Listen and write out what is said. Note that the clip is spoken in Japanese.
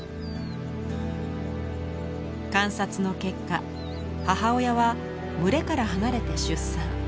観察の結果母親は群れから離れて出産。